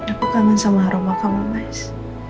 aku kangen sama rumah kamu mas